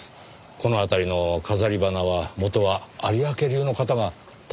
この辺りの飾り花は元は有明流の方が担当なさっていたのでは？